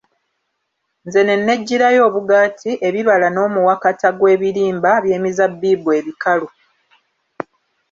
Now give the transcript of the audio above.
Nze ne neggirayo obugaati, ebibala n'omuwakata gw'ebirimba by'emizabibu ebikalu.